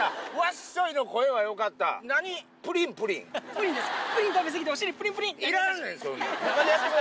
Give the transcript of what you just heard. プリンですか？